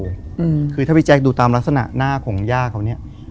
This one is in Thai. คือก่อนอื่นพี่แจ็คผมได้ตั้งชื่อเอาไว้ชื่อว่าย่าเผา